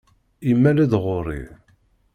Imal-d ɣur-i.